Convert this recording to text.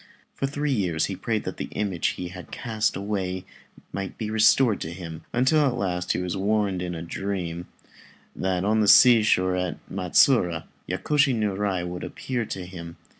For three years he prayed that the image which he had cast away might be restored to him, until at last one night he was warned in a dream that on the sea shore at Matsura Yakushi Niurai would appear to him.